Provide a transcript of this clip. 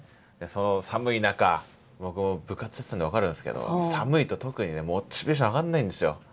その寒い中僕も部活やってたんで分かるんですけど寒いと特にねモチベーション上がんないんですよ。